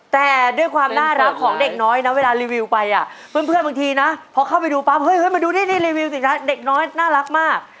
แต่ด้วยความน่ารักของเด็กน้อยนะเวลารีวิวไปอ่ะเพื่อนบางทีนะพอเข้าไปดูปั๊บเฮ้ยมาดูนี่รีวิวสิคะเด็กน้อยน่ารักมาก